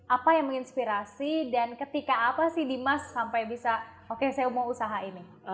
apa yang menginspirasi dan ketika apa sih dimas sampai bisa oke saya mau usaha ini